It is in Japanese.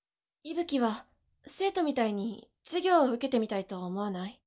息吹は生徒みたいに授業を受けてみたいとは思わない？